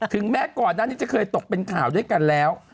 แม้ก่อนหน้านี้จะเคยตกเป็นข่าวด้วยกันแล้ว